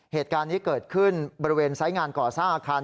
เหตุการณ์นี้เกิดขึ้นบริเวณไซส์งานก่อสร้างอาคาร